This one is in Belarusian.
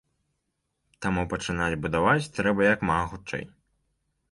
Таму, пачынаць будаваць трэба як мага хутчэй.